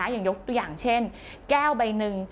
อย่างยกตัวอย่างเช่นแก้วใบหนึ่ง